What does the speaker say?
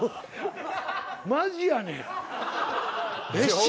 マジやねん。